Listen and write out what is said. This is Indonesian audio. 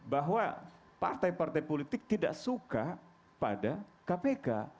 bahwa partai partai politik tidak suka pada kpk